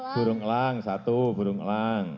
burung elang satu burung elang